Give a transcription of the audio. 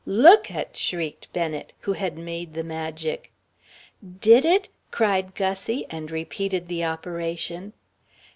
"Look at!" shrieked Bennet, who had made the magic. "Did it?" cried Gussie, and repeated the operation.